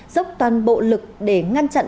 dốc toàn bộ lực để ngăn chặn